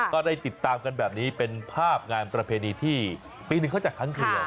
ก็ได้ติดตามกันแบบนี้เป็นภาพงานประเพณีที่ปีหนึ่งเขาจัดครั้งเดียว